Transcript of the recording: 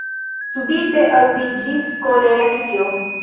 Subite aŭdiĝis kolera krio!